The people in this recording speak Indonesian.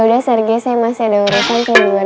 yaudah sergei saya masih ada urusan kembali ya